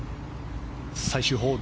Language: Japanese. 最終ホール。